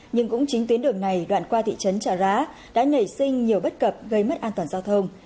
nhưng cũng chính tuyến đường này đoạn qua thị trấn trà rá đã nảy sinh nhiều bất cập gây mất an toàn giao thông